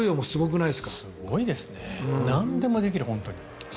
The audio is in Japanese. なんでもできる、本当に。